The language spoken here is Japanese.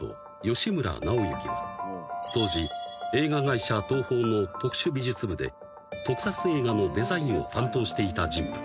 好村直行は当時映画会社東宝の特殊美術部で特撮映画のデザインを担当していた人物］